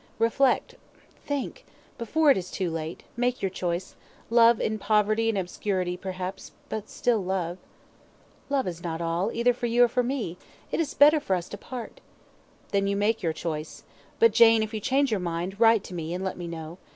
Reflect think before it is too late make your choice; love in poverty and obscurity, perhaps but still love." "Love is not all life, either for you or for me; it is better for us to part." "Then you make your choice; but Jane, if you change your mind, write to me, and let me know.